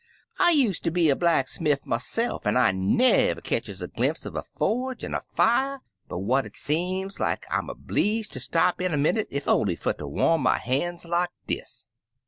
I use ter be a blacksmiff myse*f, an* I never ketches a glimp* uv a forge an* a fier but what it seem like I*m a bleeze ter stop in a minnit ef only fer ter warai my han*s like dis.